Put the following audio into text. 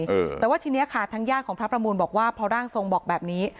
เออแต่ว่าทีเนี้ยค่ะทางญาติของพระประมูลบอกว่าพอร่างทรงบอกแบบนี้